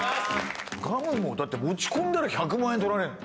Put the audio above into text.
ガムもだって持ち込んだら１００万円取られんの？